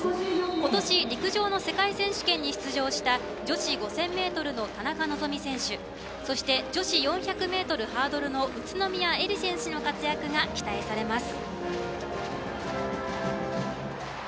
今年、陸上の世界選手権に出場した女子５０００ｍの田中希実選手そして、女子４００ｍハードルの宇都宮絵莉選手の活躍が期待されます。